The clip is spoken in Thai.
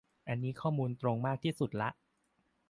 อันนี้ข้อมูลตรงมากที่สุดละ